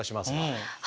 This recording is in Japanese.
はい。